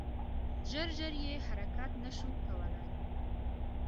ژر ژر یې حرکت نه شو کولای .